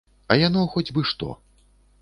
А яно хоць бы што!